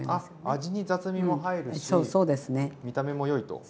味に雑味も入るし見た目も良いと。